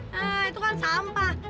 nah itu kan sampah